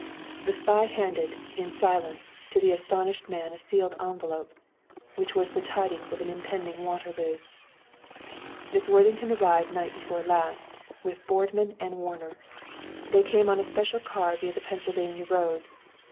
The spy handed, in silence, to the astounded man a sealed envelope, which was the tidings of an impending Waterloo. "Miss Worthington arrived night before last, with Boardman and Warner. They came on in a special car via the Pennsylvania road.